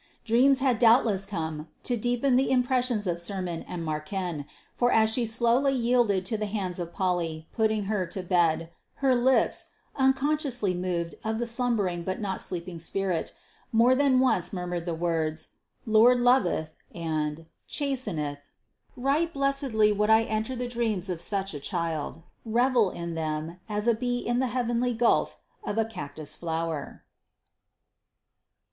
Dreams had doubtless come to deepen the impressions of sermon and mährchen, for as she slowly yielded to the hands of Polly putting her to bed, her lips, unconsciously moved of the slumbering but not sleeping spirit, more than once murmured the words Lord loveth and chasteneth. Right blessedly would I enter the dreams of such a child revel in them, as a bee in the heavenly gulf of a cactus flower.